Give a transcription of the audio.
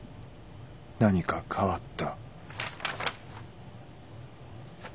何か変わった。